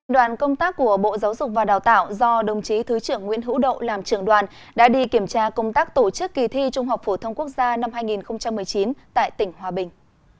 đoàn công tác của bộ giáo dục và đào tạo do đồng chí thứ trưởng nguyễn hữu độ làm trưởng đoàn đã đi kiểm tra công tác tổ chức kỳ thi trung học phổ thông quốc gia năm hai nghìn một mươi chín tại tỉnh hòa bình